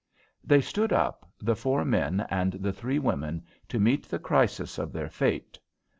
They stood up, the four men and the three women, to meet the crisis of their fate.